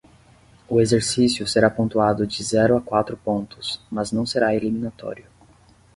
O exercício será pontuado de zero a quatro pontos, mas não será eliminatório.